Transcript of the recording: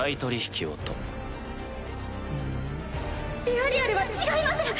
エアリアルは違います。